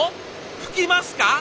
吹きますか！？